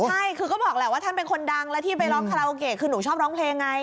ใช่คือก็บอกแหละว่าท่านเป็นคนดังแล้วที่ไปร้องคาราโอเกะคือหนูชอบร้องเพลงไง